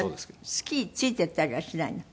スキーについて行ったりはしないの？